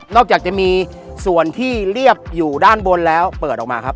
จากจะมีส่วนที่เรียบอยู่ด้านบนแล้วเปิดออกมาครับ